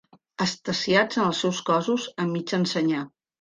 Extasiats en els seus cossos a mig ensenyar.